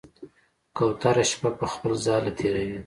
کوتره شپه په خپل ځاله تېروي.